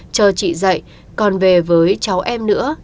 chờ chị dậy còn về với cháu em nữa